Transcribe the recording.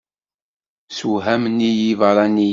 Ssewhamen-iyi ibeṛṛaniyen.